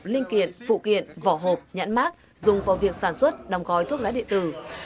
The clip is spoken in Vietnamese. linh kiện phụ kiện vỏ hộp nhãn mác dùng vào việc sản xuất đồng gói thuốc lá điện tử